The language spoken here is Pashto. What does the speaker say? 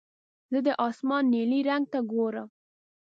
زه د اسمان نیلي رنګ ته ګورم.